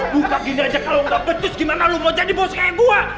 buka gini aja kalo gak becus gimana lu mau jadi bos kayak gue